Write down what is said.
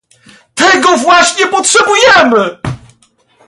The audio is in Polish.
Tego właśnie potrzebujemy